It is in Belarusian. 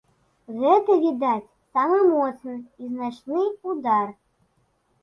Гэта, відаць, самы моцны і значны ўдар.